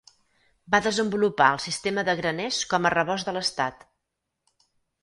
Va desenvolupar el sistema de graners com a rebost de l'estat.